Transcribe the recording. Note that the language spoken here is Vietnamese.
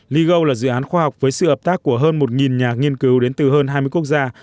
ligo là dự án khoa học với sự hợp tác của hơn một nhà nghiên cứu đến từ hơn hai mươi quốc gia